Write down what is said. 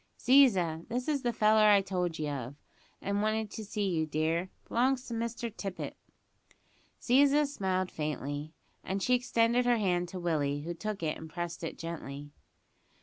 "Ziza, this is the feller I told ye of, as wanted to see you, dear; b'longs to Mr Tippet." Ziza smiled faintly, as she extended her hand to Willie, who took it and pressed it gently.